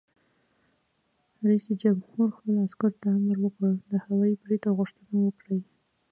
رئیس جمهور خپلو عسکرو ته امر وکړ؛ د هوايي برید غوښتنه وکړئ!